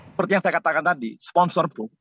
seperti yang saya katakan tadi sponsor pun